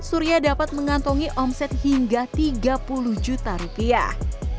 surya dapat mengantongi omset hingga tiga puluh juta rupiah